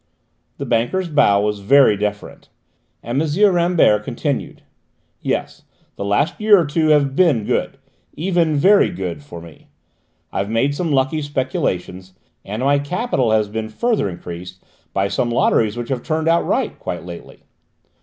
The banker's bow was very deferent, and M. Rambert continued: "Yes, the last year or two have been good, even very good, for me. I've made some lucky speculations and my capital has further been increased by some lotteries which have turned out right quite lately.